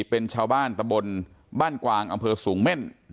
เป็นชาวบ้านตะบนบ้านกวางอำเภอสูงเม่น